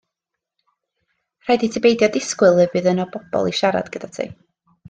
Rhaid i ti beidio disgwyl y bydd yno bobl i siarad gyda ti.